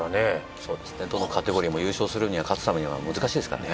そうですねどのカテゴリーも優勝するには勝つためには難しいですからね。